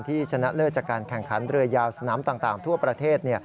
ชนะเลิศจากการแข่งขันเรือยาวสนามต่างทั่วประเทศ